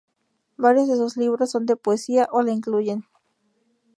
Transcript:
Varios de sus libros son de poesía o la incluyen.